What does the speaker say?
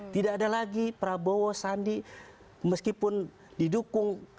tidak ada lagi prabowo sandi meskipun didukung